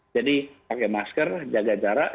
jadi pakai masker jaga jarak